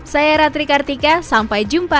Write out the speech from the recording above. saya ratri kartika sampai jumpa